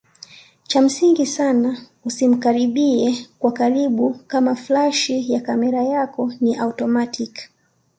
Cha msingi sana usimkaribie kwa karibu kama flash ya kamera yako ni automatic